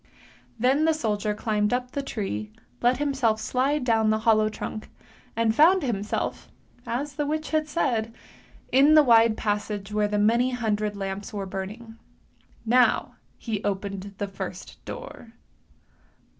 Then the soldier climbed up the tree, let himself slide down the hollow trunk, and found himself, as the witch had said, in the wide passage where the many hundred lamps were burning. Now he opened the first door.